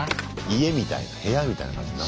家みたいな部屋みたいな感じになってる。